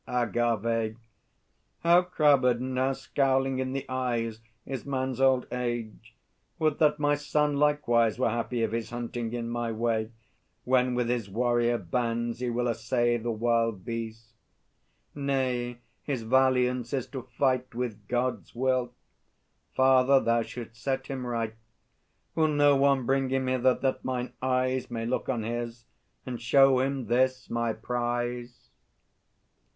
AGAVE. How crabbèd and how scowling in the eyes Is man's old age! Would that my son likewise Were happy of his hunting, in my way, When with his warrior bands he will essay The wild beast! Nay, his valiance is to fight With God's will! Father, thou shouldst set him right. ... Will no one bring him hither, that mine eyes May look on his, and show him this my prize!